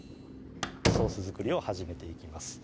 ソース作りを始めていきます